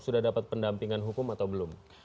sudah dapat pendampingan hukum atau belum